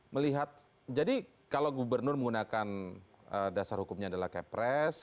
melihat jadi kalau gubernur menggunakan dasar hukumnya adalah kepres